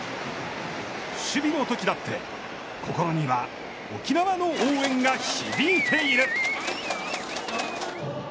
守備のときだって心には沖縄の応援が響いている。